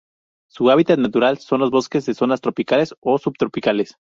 Su hábitat natural son: los bosques de zonas tropicales o subtropicales.